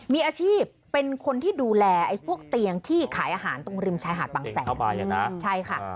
มีอาชีพเป็นคนที่ดูแลพวกเตียงที่ขายอาหารตรงริมชายหาดบางแสนใช่ค่ะ